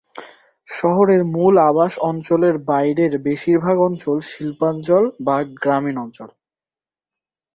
শহরের মূল আবাস অঞ্চলের বাইরের বেশিরভাগ অঞ্চল শিল্পাঞ্চল বা গ্রামীণ অঞ্চল।